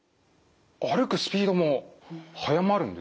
歩くスピードも速まるんですね。